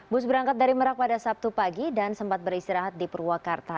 bus berangkat dari merak pada sabtu pagi dan sempat beristirahat di purwakarta